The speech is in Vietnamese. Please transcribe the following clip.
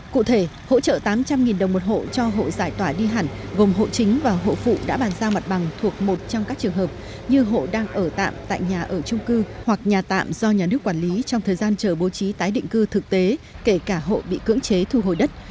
cụ thể hỗ trợ tám trăm linh đồng một hộ cho hộ giải tỏa đi hẳn gồm hộ chính và hộ phụ đã bàn giao mặt bằng thuộc một trong các trường hợp như hộ đang ở tạm tại nhà ở trung cư hoặc nhà tạm do nhà nước quản lý trong thời gian chờ bố trí tái định cư thực tế kể cả hộ bị cưỡng chế thu hồi đất